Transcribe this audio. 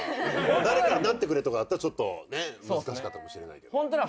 誰かになってくれとかだったらちょっと難しかったかもしれないけど。